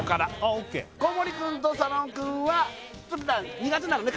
オッケー小森くんと佐野くんはちょっと苦手なのね？